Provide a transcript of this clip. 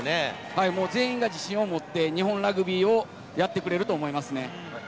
はい、全員が自信を持って、日本ラグビーをやってくれると思いますね。